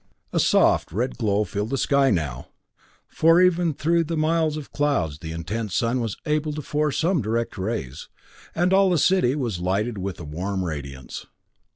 A soft red glow filled the sky now, for even through the miles of clouds the intense sun was able to force some direct rays, and all the city was lighted with that warm radiance.